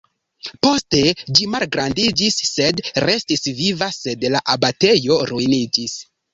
Poste ĝi malgrandiĝis sed restis viva, sed la abatejo ruiniĝis.